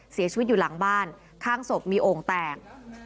เสียชีวิตอยู่หลังบ้านข้างศพมีโอ่งแตก